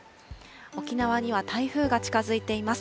沖縄には台風が近づいています。